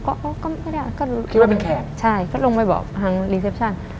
คิดว่าเป็นแขก